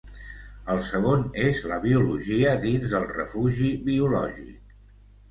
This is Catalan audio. El segon és la biologia dins del refugi biològic.